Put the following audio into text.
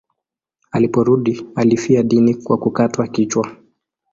Aliporudi alifia dini kwa kukatwa kichwa.